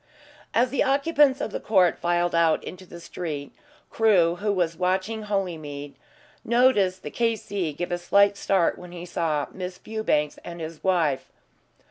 As the occupants of the court filed out into the street, Crewe, who was watching Holymead, noticed the K.C. give a slight start when he saw Miss Fewbanks and his wife.